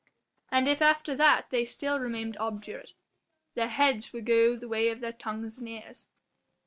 And if after that they still remained obdurate, their heads would go the way of their tongues and ears."